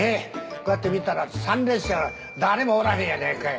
こうやって見たら参列者が誰もおらへんやないかい。